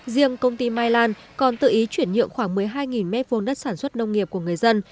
riêng công ty mai lan còn tự ý chuyển nhượng khoảng một mươi hai m hai đất sản xuất nông nghiệp của người dân